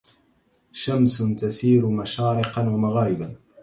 شمس تسير مشارقا ومغاربا